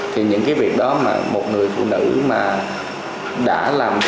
thì những cái việc đó mà một người phụ nữ mà đã làm